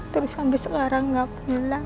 terus sampai sekarang nggak pulang